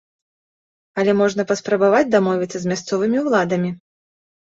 Але можна паспрабаваць дамовіцца з мясцовымі ўладамі.